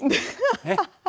アハハハ。